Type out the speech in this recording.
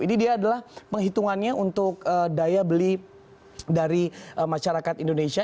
ini dia adalah penghitungannya untuk daya beli dari masyarakat indonesia